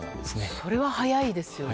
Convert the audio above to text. それは早いですね。